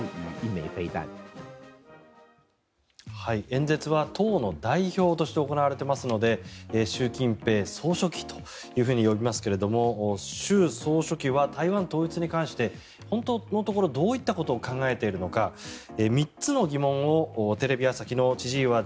演説は党の代表として行われていますので習近平総書記と呼びますけれど習総書記は台湾統一に関して本当のところどういったことを考えているのか３つの疑問をテレビ朝日の千々岩森生